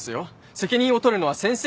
責任を取るのは先生で。